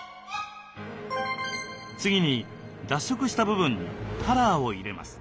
次に脱色した部分にカラーを入れます。